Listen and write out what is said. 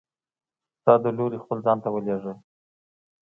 ستا د لورې خپل ځان ته ولیږل!